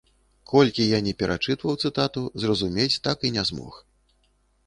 Колькі я ні перачытваў цытату, зразумець так і не змог.